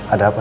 ada apa ya